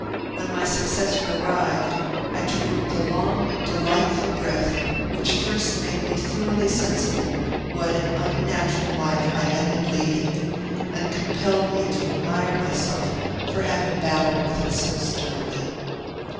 When my successor arrived, I drew the long, delightful breath which first made me thoroughly sensible what an unnatural life I had been leading, and compelled me to admire myself for having battled with it so sturdily.